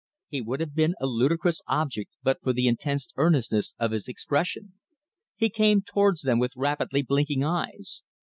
He would have been a ludicrous object but for the intense earnestness of his expression. He came towards them with rapidly blinking eyes.